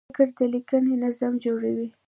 فقره د لیکني نظم جوړوي.